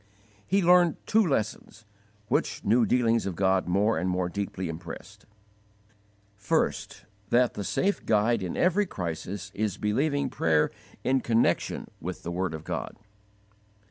He learned two lessons, which new dealings of God more and more deeply impressed: First, that the safe guide in every crisis is believing prayer in connection with the word of God.